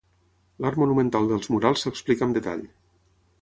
L'art monumental dels murals s'explica amb detall.